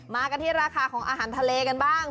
มากันที่ราคาของอาหารทะเลกันบ้าง